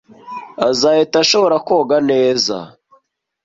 Azahita ashobora koga neza.